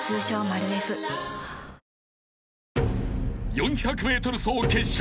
［４００ｍ走決勝。